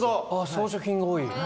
装飾品が多い。